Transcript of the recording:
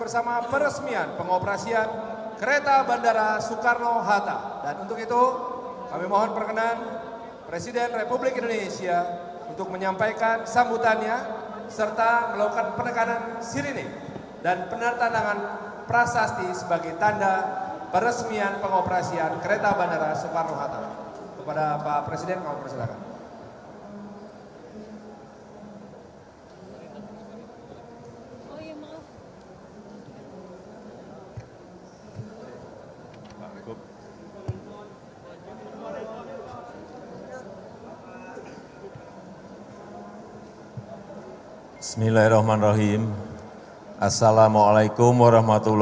selamat pagi salam sejahtera bagi kita semuanya